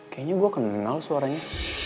kayaknya gue kenal suaranya